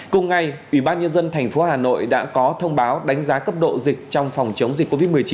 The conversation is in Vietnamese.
cùng ngày ủy ban nhân dân tp hà nội đã có thông báo đánh giá cấp độ dịch trong phòng chống dịch covid một mươi chín